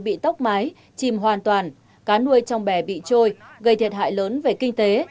bị tốc mái chìm hoàn toàn cá nuôi trong bè bị trôi gây thiệt hại lớn về kinh tế